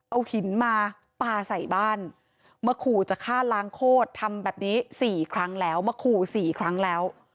เอาหินมาปลาใส่บ้านมาขู่จะฆ่าล้างโคตรทำแบบนี้๔ครั้งแล้วมาขู่๔ครั้งแล้ว